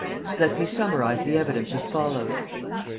Let me summarize the evidence as follows: 1.